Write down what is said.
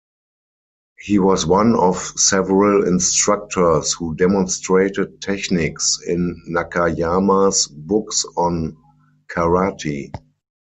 He was one of several instructors who demonstrated techniques in Nakayama's books on karate.